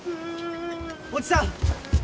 おじさん！